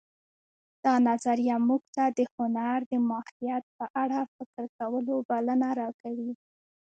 دا نظریه موږ ته د هنر د ماهیت په اړه فکر کولو بلنه راکوي